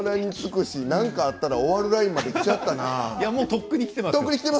何かあったら終わるまできちゃったな。